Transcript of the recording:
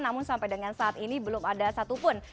namun sampai dengan saat ini belum ada satupun